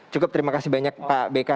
cukup terima kasih banyak pak beka